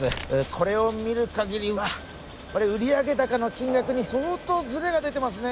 これを見るかぎりはこれ売上高の金額に相当ズレが出てますね